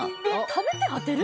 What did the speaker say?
食べて当てる？